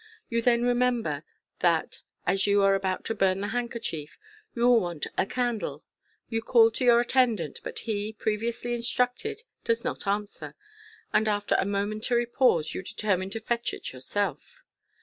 You then remember that, as you are about to burn the handkerchief, you will want a candle. You call to your attendant, but he, previously instructed, does not answer, and after a momentary pause you determine to fetch it yourself.